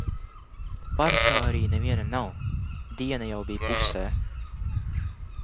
Parkā arī neviena nav. Diena jau bija pusē.